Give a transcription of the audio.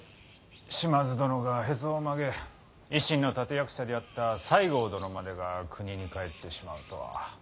島津殿がへそを曲げ維新の立て役者であった西郷殿までが国に帰ってしまうとは。